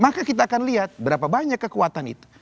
maka kita akan lihat berapa banyak kekuatan itu